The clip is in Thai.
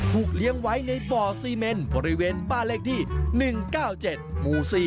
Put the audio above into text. เลี้ยงไว้ในบ่อซีเมนบริเวณบ้านเลขที่๑๙๗หมู่๔